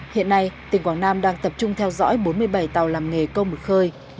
hiện nay tỉnh quảng nam đang tập trung theo dõi bốn mươi bảy tàu làm nghề công mực khơi